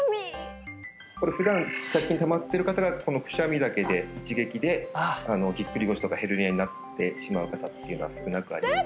これ普段借金たまってる方がこのくしゃみだけで一撃でぎっくり腰とかヘルニアになってしまう方っていうのは少なくありません